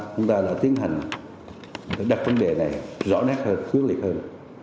chúng ta đã tiến hành đặt vấn đề này rõ nét hơn quyết liệt hơn